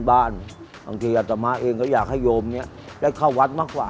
บางทีอัตมาเองก็อยากให้โยมเนี่ยได้เข้าวัดมากกว่า